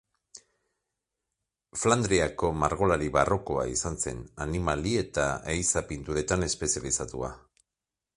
Flandriako margolari barrokoa izan zen, animali eta ehiza pinturetan espezializatua.